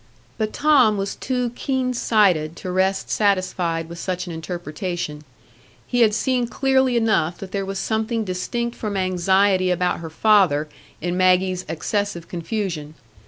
But Tom was too keen sighted to rest satisfied with such an interpretation; he had seen clearly enough that there was something distinct from anxiety about her father in Maggie's excessive confusion.